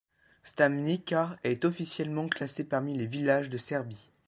Stamnica est officiellement classée parmi les villages de Serbie.